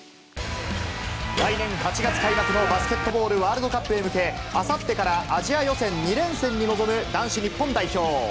来年８月開幕のバスケットボールワールドカップへ向け、あさってからアジア予選２連戦に臨む男子日本代表。